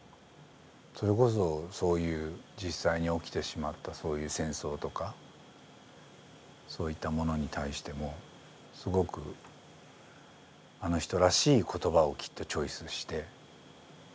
それこそそういう実際に起きてしまったそういう戦争とかそういったものに対してもすごくあの人らしい言葉をきっとチョイスして。